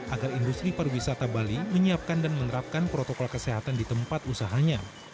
agar industri pariwisata bali menyiapkan dan menerapkan protokol kesehatan di tempat usahanya